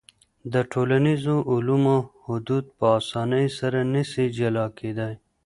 د ټولنیزو علومو حدود په اسانۍ سره نسي جلا کېدای.